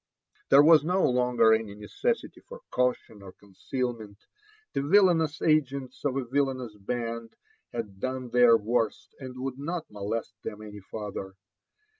There was no longer any necessity for cautioti or concealment ; the villanous agents of a vil lanous band had doAe their worst and would not molest them any farther.